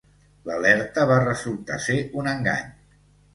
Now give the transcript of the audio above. L'alerta va resultar ser un engany.